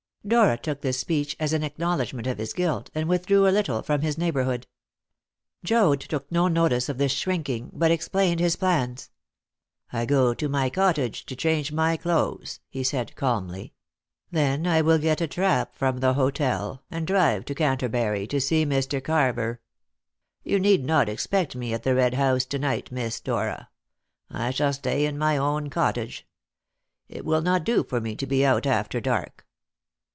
Dora took this speech as an acknowledgment of his guilt, and withdrew a little from his neighbourhood. Joad took no notice of this shrinking, but explained his plans. "I go to my cottage to change my clothes," he said calmly, "then I will get a trap from the hotel, and drive to Canterbury to see Mr. Carver. You need not expect me at the Red House to night, Miss Dora. I shall stay in my own cottage. It will not do for me to be out after dark."